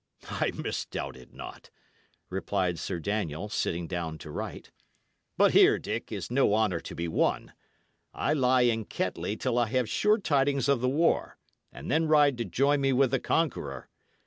"I misdoubt it not," replied Sir Daniel, sitting down to write. "But here, Dick, is no honour to be won. I lie in Kettley till I have sure tidings of the war, and then ride to join me with the conqueror.